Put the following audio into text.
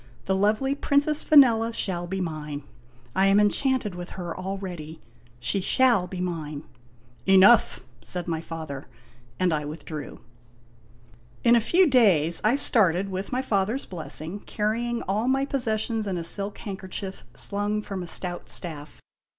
"The lovely Princess Vanella shall be mine. I am enchanted with her al ready. She shall be mine." " Enough !" said my father ; and I withdrew. In a few days I started, with my father's blessing, carrying all my possessions in a silk handkerchief slung from a stout staff.